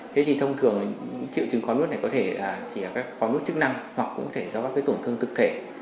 thế thì thông thường triệu chứng khó nuốt này có thể chỉ là các khó nuốt chức năng hoặc cũng có thể do các tổn thương thực thể